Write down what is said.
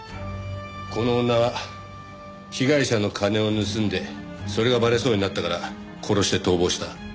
この女が被害者の金を盗んでそれがバレそうになったから殺して逃亡した。